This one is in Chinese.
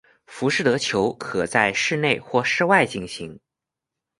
浮士德球可在室内或室外进行。